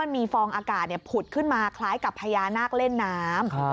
มีฟองอากาศผุดขึ้นมาคล้ายกับพญานาคเล่นน้ำ